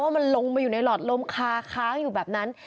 มันลงมาอยู่ในหลอดลมคาค้างอยู่แบบนั้น